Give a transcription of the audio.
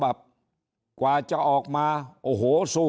ถ้าท่านผู้ชมติดตามข่าวสาร